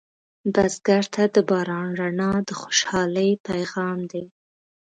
بزګر ته د باران رڼا د خوشحالۍ پیغام دی